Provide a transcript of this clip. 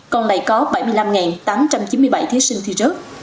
còn lại có bảy mươi năm tám trăm chín mươi bảy thí sinh thi rớt